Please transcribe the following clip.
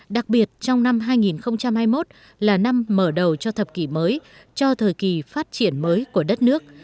đặc biệt trong năm hai nghìn hai mươi một là năm mở đầu cho thập kỷ mới cho thời kỳ phát triển mới của đất nước